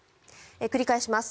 繰り返します。